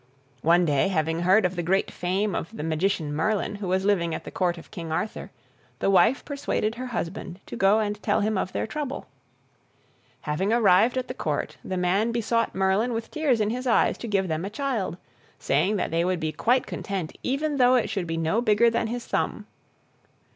One day, having heard of the great fame of the magician Merlin, who was living at the Court of King Arthur, the wife persuaded her husband to go and tell him of their trouble. Having arrived at the Court, the man besought Merlin with tears in his eyes to give them a child, saying that they would be quite content even though it should be no bigger than his thumb.